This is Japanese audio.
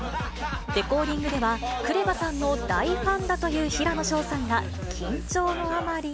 レコーディングでは、クレバさんの大ファンだという平野紫燿さんが、緊張のあまり。